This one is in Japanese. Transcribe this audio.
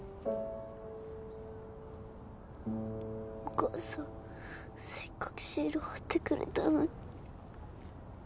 お母さんせっかくシールはってくれたのに。